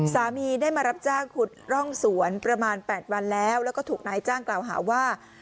สามีได้มารับจ้างขุดร่องสวนประมาณ๘วันแล้วแล้วก็ถูกนายจ้างกล่าวหาว่า